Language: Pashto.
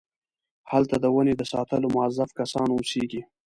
هلته د ونې د ساتلو موظف کسان اوسېږي.